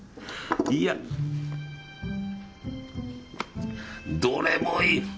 いや。どれもいい！